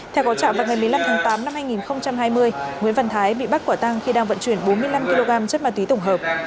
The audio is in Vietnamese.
theo có trạm vào ngày một mươi năm tháng tám năm hai nghìn hai mươi nguyễn văn thái bị bắt quả tăng khi đang vận chuyển bốn mươi năm kg chất ma túy tổng hợp